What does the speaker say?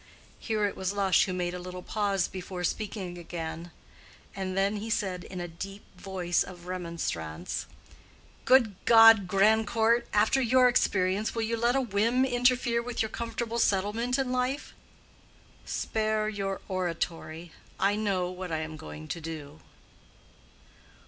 Here it was Lush who made a little pause before speaking again, and then he said in a deep voice of remonstrance, "Good God, Grandcourt! after your experience, will you let a whim interfere with your comfortable settlement in life?" "Spare your oratory. I know what I am going to do."